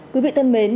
quý vị thân mến